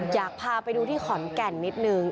อยากพาไปดูที่ขอนแก่นนิดนึง